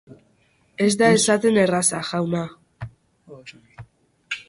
Ez da esaten erraza, jauna.